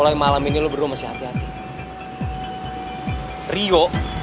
gue lebih mending ribut sama lo